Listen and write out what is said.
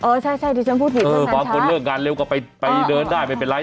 เออใช่ดิฉันพูดผิดเออบางคนเลิกงานเร็วก็ไปเดินได้ไม่เป็นไร